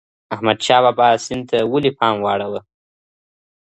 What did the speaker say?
احمد شاه بابا سیند ته ولې پام واړاوه؟